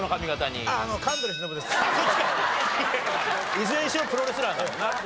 いずれにしろプロレスラーなんだな。